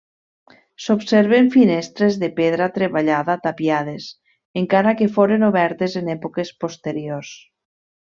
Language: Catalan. S'observen finestres de pedra treballada tapiades, encara que foren obertes en èpoques posteriors.